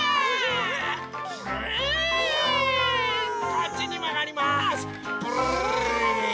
こっちにまがります。